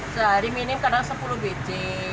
sehari minim kadang sepuluh biji